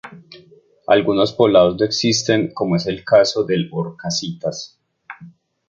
Algunos poblados no existen como es el caso del Orcasitas.